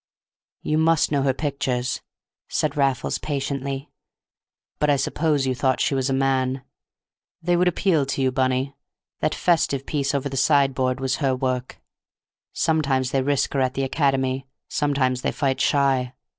"You must know her pictures," said Raffles, patiently; "but I suppose you thought she was a man. They would appeal to you, Bunny; that festive piece over the sideboard was her work. Sometimes they risk her at the Academy, sometimes they fight shy.